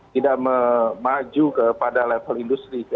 tidak memaju kepada level industri